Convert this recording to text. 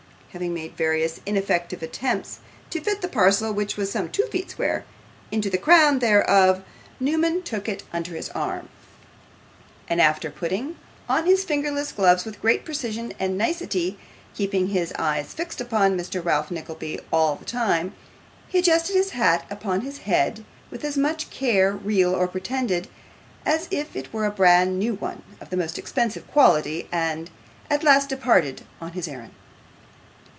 Having made various ineffective attempts to fit the parcel (which was some two feet square) into the crown thereof, Newman took it under his arm, and after putting on his fingerless gloves with great precision and nicety, keeping his eyes fixed upon Mr. Ralph Nickleby all the time, he adjusted his hat upon his head with as much care, real or pretended, as if it were a bran new one of the most expensive quality, and at last departed on his errand.